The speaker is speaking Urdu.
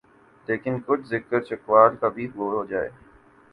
لیکن کچھ ذکر چکوال کا بھی ہو جائے۔